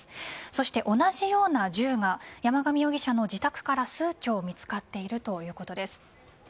そして同じような銃が山上容疑者の自宅から数丁見つかっているいうことです。